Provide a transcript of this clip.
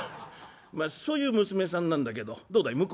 まあそういう娘さんなんだけどどうだい？